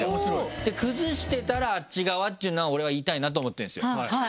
崩してたらあっち側っていうのは俺は言いたいなと思ってるんですよ。